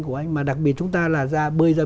của anh mà đặc biệt chúng ta là ra bơi ra